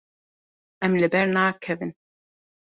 Em li ber nakevin.